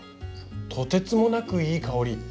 とてつもなくいい香り。